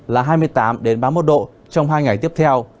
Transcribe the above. là hai mươi tám ba mươi một độ trong hai ngày tiếp theo